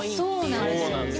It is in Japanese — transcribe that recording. そうなんだ。